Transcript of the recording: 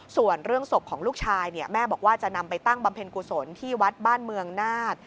ส่วนเรื่องศพของลูกชายแม่บอกว่าจะนำไปตั้งบำเพ็ญกุศลที่วัดบ้านเมืองนาฏ